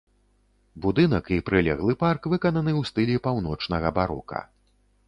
Будынак і прылеглы парк выкананы ў стылі паўночнага барока.